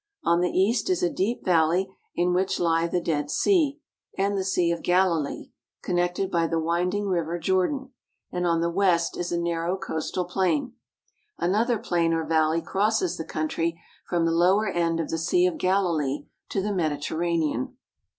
On the east is a deep valley in which lie the Dead Sea and the Sea of Galilee connected by the winding river Jordan, and on the west is a narrow coastal plain. Another plain or valley crosses the country from the lower end of the Sea of Galilee to the Mediterranean.